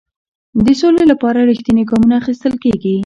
د سولې لپاره رښتیني ګامونه اخیستل کیږي.